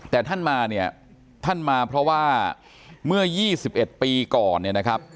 แต่ท่านมาเนี่ยท่านมาเพราะว่าเมื่อ๒๑ปีก่อนเนี่ยนะครับ